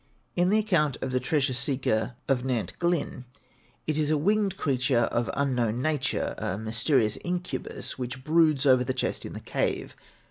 In the account of the treasure seeker of Nantyglyn, it is a winged creature of unknown nature, a 'mysterious incubus,' which broods over the chest in the cave.